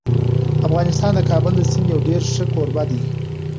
افغانستان د کابل د سیند یو ډېر ښه کوربه دی.